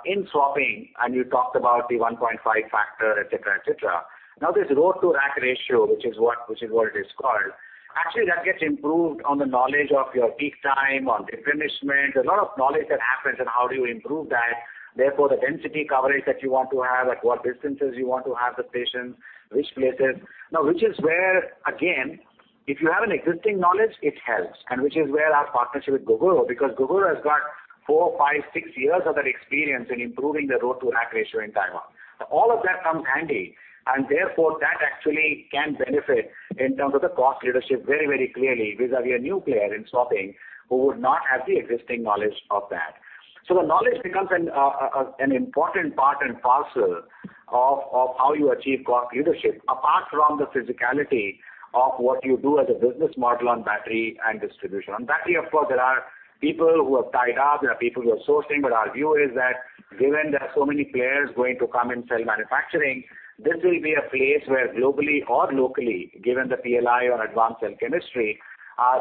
In swapping and you talked about the 1.5 factor, et cetera. Now this retail to wholesale ratio, which is what it is called, actually that gets improved on the knowledge of your peak time, on replenishment. There's a lot of knowledge that happens on how do you improve that. Therefore, the density coverage that you want to have, at what distances you want to have the stations, which places. Now, which is where, again, if you have an existing knowledge, it helps, and which is where our partnership with Gogoro, because Gogoro has got four, five, six years of that experience in improving the retail to wholesale ratio in Taiwan. All of that comes handy, and therefore, that actually can benefit in terms of the cost leadership very, very clearly vis-a-vis a new player in swapping who would not have the existing knowledge of that. The knowledge becomes an important part and parcel of how you achieve cost leadership, apart from the physicality of what you do as a business model on battery and distribution. On battery, of course, there are people who have tied up, there are people who are sourcing, but our view is that given there are so many players going to come and set up manufacturing, this will be a place where globally or locally, given the PLI or advanced cell chemistry,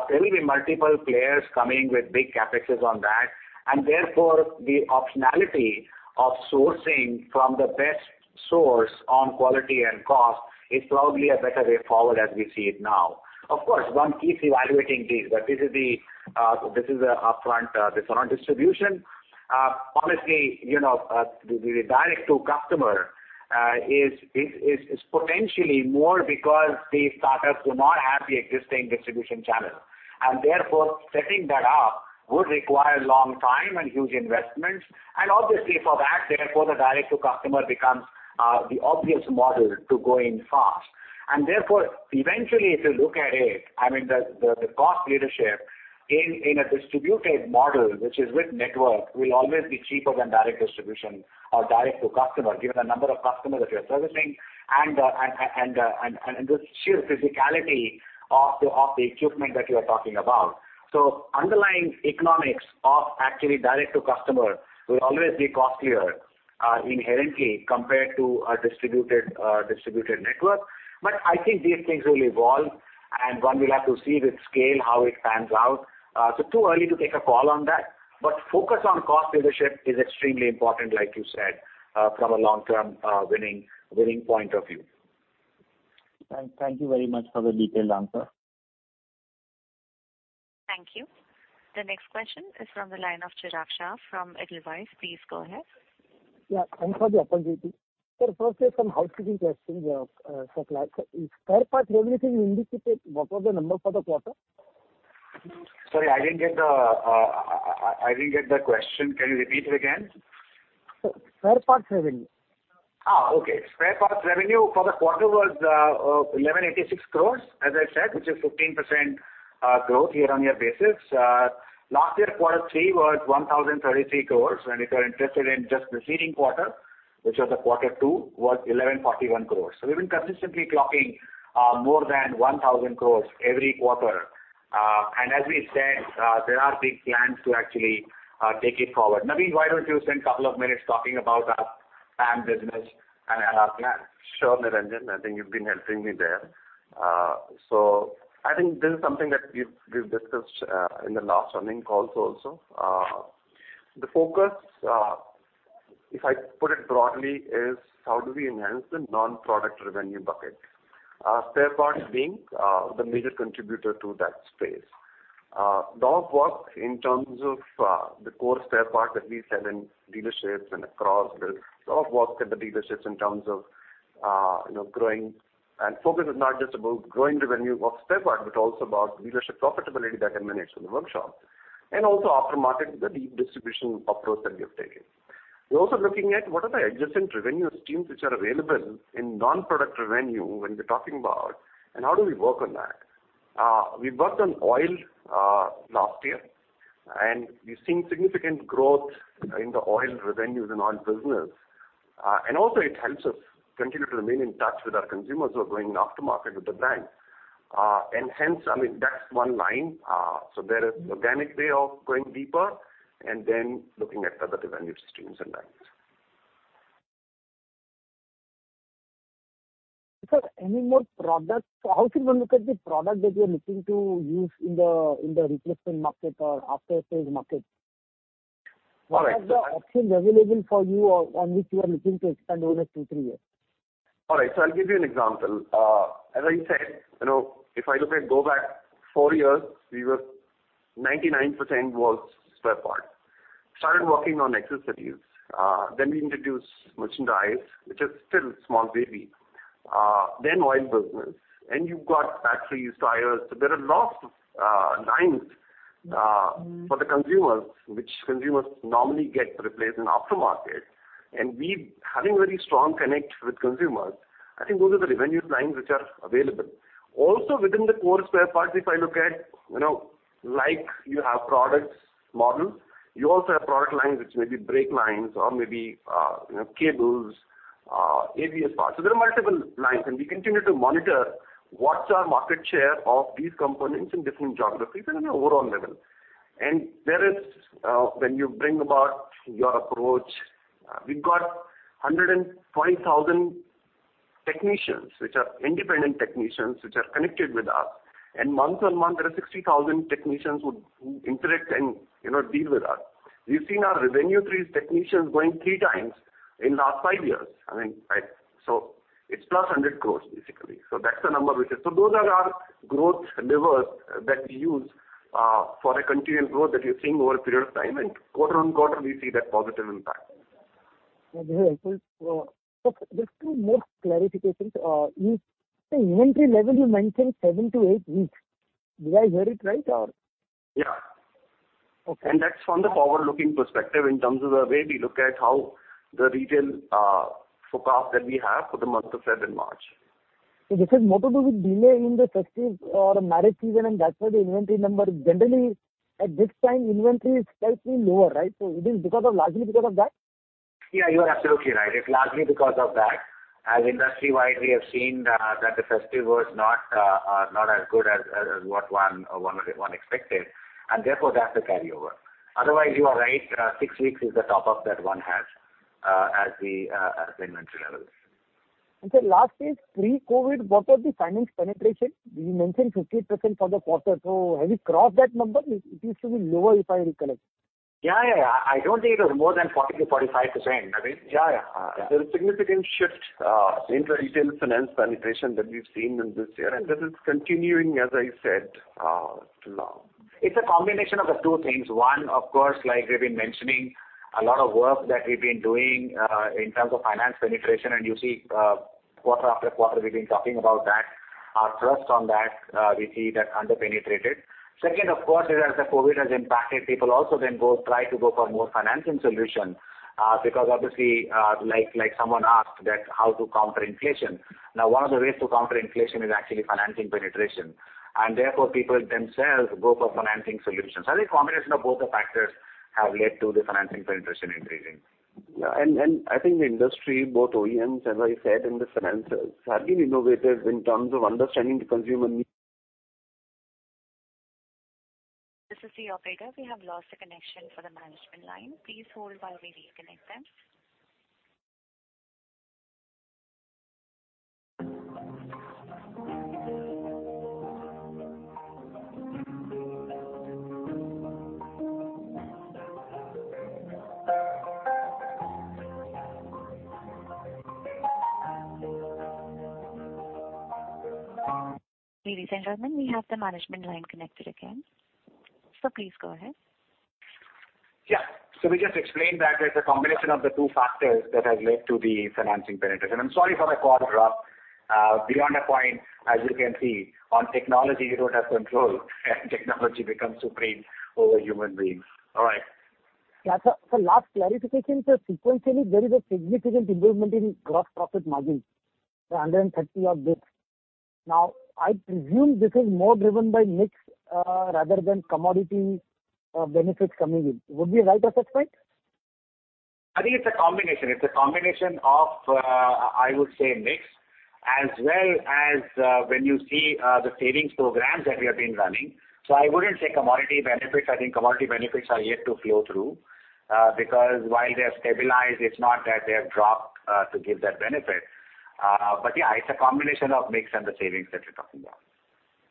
there will be multiple players coming with big CapExes on that. Therefore, the optionality of sourcing from the best source on quality and cost is probably a better way forward as we see it now. Of course, one keeps evaluating these, but this is upfront, this is on distribution. Honestly, you know, the direct to customer is potentially more because these startups do not have the existing distribution channel. Therefore, setting that up would require a long time and huge investments. Obviously for that, therefore the direct to customer becomes the obvious model to go in fast. Therefore, eventually if you look at it, I mean the cost leadership in a distributed model, which is with network, will always be cheaper than direct distribution or direct to customer, given the number of customers that you're servicing and the sheer physicality of the equipment that you are talking about. Underlying economics of actually direct to customer will always be costlier inherently compared to a distributed network. I think these things will evolve. One will have to see with scale how it pans out. Too early to take a call on that. Focus on cost leadership is extremely important, like you said, from a long-term, winning point of view. Thank you very much for the detailed answer. Thank you. The next question is from the line of Chirag Shah from Edelweiss. Please go ahead. Yeah, thanks for the opportunity. Firstly, some housekeeping questions, supply. Spare parts revenue, can you indicate what was the number for the quarter? Sorry, I didn't get the question. Can you repeat it again? Sir, spare parts revenue. Spare parts revenue for the quarter was 1,186 crore, as I said, which is 15% growth year-on-year basis. Last year quarter three was 1,033 crore. If you're interested in just preceding quarter, which was the quarter two, was 1,141 crore. We've been consistently clocking more than 1,000 crore every quarter. As we said, there are big plans to actually take it forward. Naveen, why don't you spend a couple of minutes talking about our PAM business and our plans? Sure, Niranjan. I think you've been helping me there. I think this is something that we've discussed in the last earnings calls also. The focus, if I put it broadly, is how do we enhance the non-product revenue bucket, spare parts being the major contributor to that space. Lot of work in terms of the core spare parts that we sell in dealerships and across. There's a lot of work at the dealerships in terms of, you know, growing. Focus is not just about growing revenue of spare part, but also about dealership profitability that can manage from the workshop, and also aftermarket with the deep distribution approach that we have taken. We're also looking at what the adjacent revenue streams are which are available in non-product revenue when we're talking about, and how do we work on that. We worked on oil last year, and we've seen significant growth in the oil revenues and oil business. Also, it helps us continue to remain in touch with our consumers who are going aftermarket with the brand. Hence, I mean, that's one line. There is organic way of going deeper and then looking at other revenue streams and lines. Sir, any more products? How should one look at the product that you're looking to use in the replacement market or after-sales market? All right. What are the options available for you or on which you are looking to expand over two, three years? All right, I'll give you an example. As I said, you know, if I go back four years, we were 99% spare parts. We started working on accessories, then we introduced merchandise, which is still small baby, then oil business, and you've got batteries, tires. There are lots of lines for the consumers, which consumers normally get replaced in aftermarket. We have very strong connection with consumers. I think those are the revenue lines which are available. Also within the core spare parts, if I look at, you know, like you have product models, you also have product lines which may be brake lines or maybe, you know, cables, ABS parts. There are multiple lines, and we continue to monitor what our market share of these components in different geographies and in the overall level. There is, when you bring about your approach, we've got 120,000 technicians, which are independent technicians which are connected with us. Month-on-month there are 60,000 technicians who interact and, you know, deal with us. We've seen our revenue through these technicians going three times in last five years. I mean, so it's +100 crore basically. So that's the number which is so those are our growth levers that we use for a continual growth that you're seeing over a period of time and quarter-on-quarter we see that positive impact. Very helpful. Just two more clarifications. In the inventory level, you mentioned seven to eight weeks. Did I hear it right or? Yeah. Okay. That's from the forward-looking perspective in terms of the way we look at how the retail forecast that we have for the month of February and March. This is more to do with delay in the festive or marriage season, and that's why the inventory number. Generally at this time inventory is slightly lower, right? It is because of, largely because of that? Yeah, you are absolutely right. It's largely because of that. As industry-wide, we have seen that the festive was not as good as what one expected, and therefore that's the carryover. Otherwise, you are right, six weeks is the top up that one has as the inventory levels. Sir, last is pre-COVID, what was the finance penetration? You mentioned 50% for the quarter, so have you crossed that number? It used to be lower, if I recollect. Yeah, yeah. I don't think it was more than 40%-45%. Naveen? Yeah, yeah. There's a significant shift in the retail finance penetration that we've seen in this year, and this is continuing, as I said, to now. It's a combination of the two things. One, of course, like we've been mentioning a lot of work that we've been doing in terms of financing penetration. You see quarter after quarter, we've been talking about that. Our thrust on that, we see that under-penetrated. Second, of course, is as the COVID has impacted people they also then go, try to go for more financing solution because obviously like someone asked that how to counter inflation. Now, one of the ways to counter inflation is actually financing penetration, and therefore people themselves go for financing solutions. I think combination of both the factors have led to the financing penetration increasing. Yeah. I think the industry, both OEMs, as I said, and the financiers have been innovative in terms of understanding the consumer needs. This is the operator. We have lost the connection for the management line. Please hold while we reconnect them. Ladies and gentlemen, we have the management line connected again. Please go ahead. Yeah. We just explained that there's a combination of the two factors that has led to the financing penetration. I'm sorry for the call drop. Beyond that point, as you can see on technology, you don't have control and technology becomes supreme over human beings. All right. Yeah. Last clarification, sir. Sequentially, there is a significant improvement in gross profit margin, 130-odd basis points. Now, I presume this is more driven by mix, rather than commodity benefits coming in. Would we be right at this point? I think it's a combination of, I would say mix as well as, when you see, the savings programs that we have been running. I wouldn't say commodity benefits. I think commodity benefits are yet to flow through, because while they're stabilized, it's not that they have dropped, to give that benefit. Yeah, it's a combination of mix and the savings that we're talking about.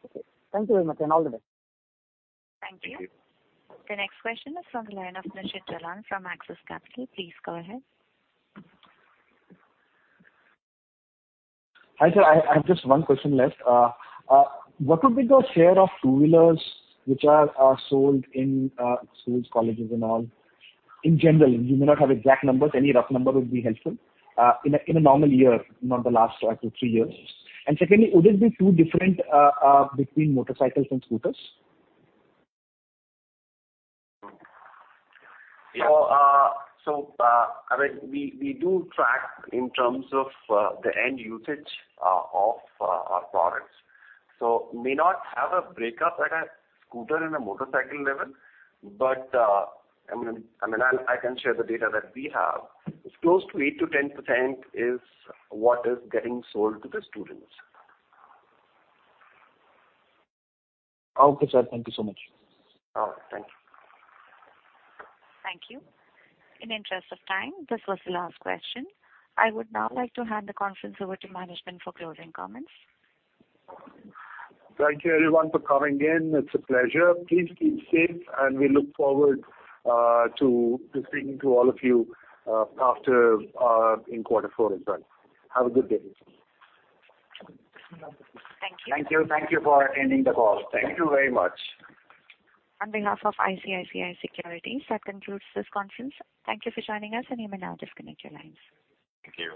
Okay. Thank you very much, and all the best. Thank you. Thank you. The next question is from the line of Nishit Jalan from Axis Capital. Please go ahead. Hi, sir. I have just one question left. What would be the share of two-wheelers which are sold in schools, colleges, and all? In general, you may not have exact numbers. Any rough number would be helpful in a normal year, not the last two, three years. Secondly, would it be too different between motorcycles and scooters? I mean, we do track in terms of the end usage of our products. We may not have a breakup at a scooter and a motorcycle level. I mean, I can share the data that we have. It's close to 8%-10% is what is getting sold to the students. Okay, sir. Thank you so much. All right. Thank you. Thank you. In the interest of time, this was the last question. I would now like to hand the conference over to management for closing comments. Thank you everyone for calling in. It's a pleasure. Please keep safe, and we look forward to speaking to all of you after in quarter four as well. Have a good day. Thank you. Thank you. Thank you for attending the call. Thank you. Thank you very much. On behalf of ICICI Securities, that concludes this conference. Thank you for joining us, and you may now disconnect your lines. Thank you.